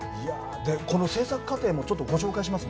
この制作過程もちょっとご紹介します。